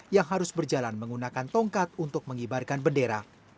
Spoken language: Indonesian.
yang harus berjalan menggunakan tongkat untuk mengibarkan bendera